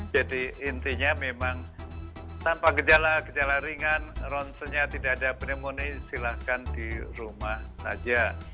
jadi intinya memang tanpa gejala gejala ringan ronsenya tidak ada pneumonia silahkan di rumah saja